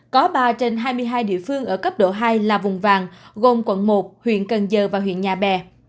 có ba trên hai mươi hai địa phương ở cấp độ hai là vùng vàng gồm quận một huyện cần giờ và huyện nhà bè